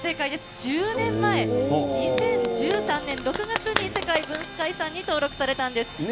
１０年前、２０１３年６月に世界文化遺産に登録されたんです。